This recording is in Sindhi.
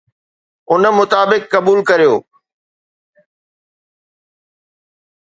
ان مطابق قبول ڪريو